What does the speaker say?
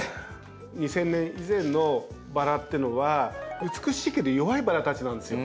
２０００年以前のバラっていうのは美しいけど弱いバラたちなんですよ。